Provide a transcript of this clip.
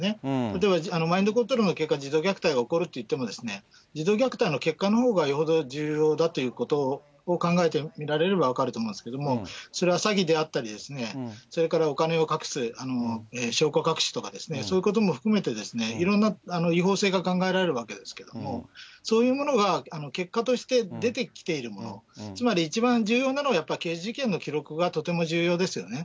例えばマインドコントロールの結果、児童虐待が起こるっていっても、児童虐待の結果のほうがよほど重要だということを考えてみられれば分かると思うんですけれども、それは詐欺であったりですね、それからお金を隠す、証拠隠しとかですね、そういうことも含めて、いろんな違法性が考えられるわけですけども、そういうものが結果として出てきているもの、つまり一番重要なのは、やっぱり刑事事件の記録がとても重要ですよね。